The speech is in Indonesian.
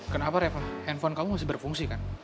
kenapa reva handphone kamu masih berfungsi kan